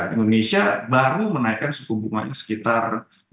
indonesia baru menaikkan suku bunganya sekitar